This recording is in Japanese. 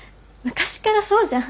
昔からそうじゃん。